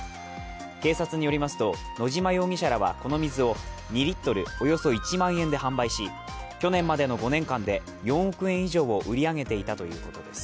警察によりますと、野島容疑者らはこの水を２リットルおよそ１万円で販売し、去年までの５年間で４億円以上を売り上げていたということです。